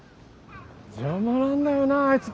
邪魔なんだよなぁあいつ。